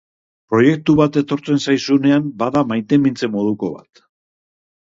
Proiektu bat etortzen zaizunean bada maitemintze moduko bat.